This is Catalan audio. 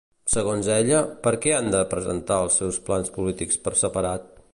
Segons ella, per què han de presentar els seus plans polítics per separat?